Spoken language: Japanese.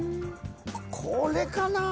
これかなあ？